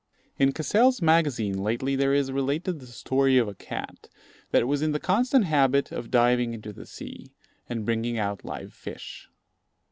In Cassell's Magazine lately, there is related the story of a cat, that was in the constant habit of diving into the sea, and bringing out live fish.